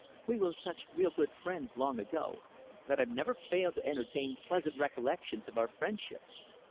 "We were such real good friends long ago that I've never failed to entertain pleasant recollections of our friendship.